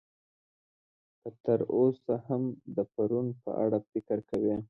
که تر اوسه هم د پرون په اړه فکر کوئ.